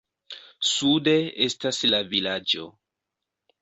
Sude estas la vilaĝo.